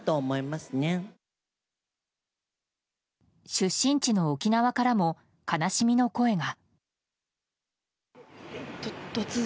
出身地の沖縄からも悲しみの声が。